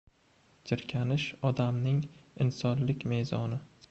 Jirkanish odamning insonlik mezoni!